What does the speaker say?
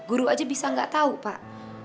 guru aja bisa gak tau pak